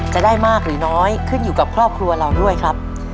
จะได้มากหรือน้อยขึ้นอยู่กับครอบครัวเราด้วยครับ